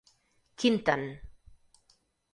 Quinten.